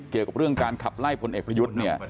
เกี่ยวกับเรื่องการขับไล่พลเอกพยุทธ